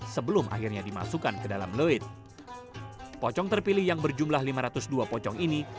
sebelum akhirnya dimasukkan ke dalam loid pocong terpilih yang berjumlah lima ratus dua pocong ini